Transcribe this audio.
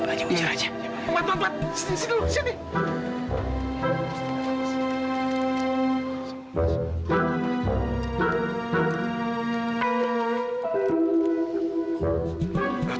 pat pat pat sini dulu sini